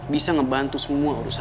bisa ngebantu semua urusan